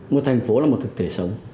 một thành phố là một thực thể sống